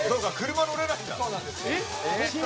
「車乗れないんだ？」